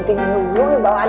gending dulu bawanya